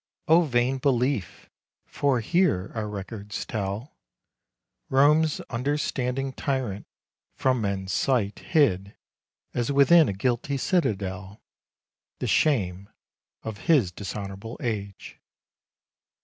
10 Oh vain belief! for here, our records tell, Rome's understanding tyrant from men's sight Hid, as within a guilty citadel, The shame of his dishonourable age.